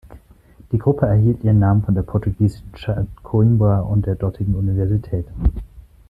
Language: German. Die Gruppe erhielt ihren Namen von der portugiesischen Stadt Coimbra und der dortigen Universität.